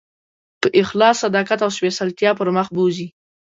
په اخلاص، صداقت او سپېڅلتیا پر مخ بوځي.